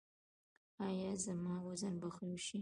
ایا زما وزن به ښه شي؟